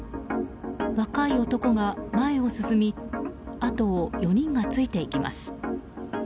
若い男が前を進みあとを４人がついていきます。